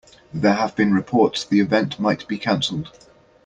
There have been reports the event might be canceled.